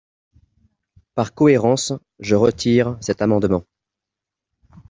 Par cohérence, je retire cet amendement.